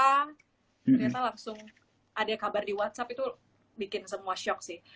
ternyata langsung ada kabar di whatsapp itu bikin semua shock sih